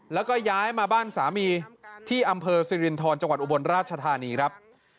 แล้วก็ย้ายมาบ้านสามีที่อำเภอสิรินทรจังหวัดอุบลราชธานีครับ